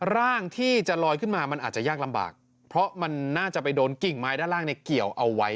ร่างที่จะลอยขึ้นมามันอาจจะยากลำบากเพราะมันน่าจะไปโดนกิ่งไม้ด้านล่างเนี่ยเกี่ยวเอาไว้